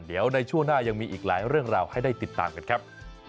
เดี๋ยวในช่วงหน้ายังมีอีกหลายเรื่องราวให้ได้ติดตามกันครับ